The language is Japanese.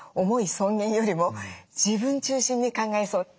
尊厳よりも自分中心に考えそう。